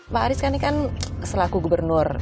pak arief ini kan selaku gubernur